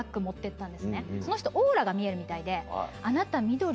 その人オーラが見えるみたいで。